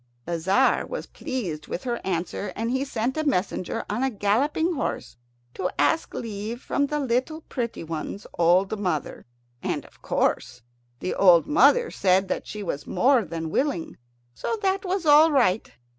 The Tzar was pleased with her answer, and he sent a messenger on a galloping horse to ask leave from the little pretty one's old mother. And of course the old mother said that she was more than willing. So that was all right.